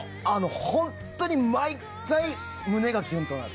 本当に、毎回胸がキュンとなる。